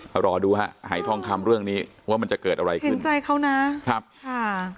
มารอดูฮะหายทองคำเรื่องนี้ว่ามันจะเกิดอะไรขึ้นเห็นใจเขานะครับค่ะ